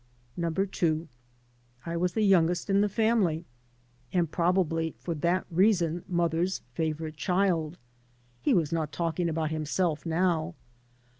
Number two: I was the youngest in the family, and probably for that reason mother's favorite child — he was not talking about himself now.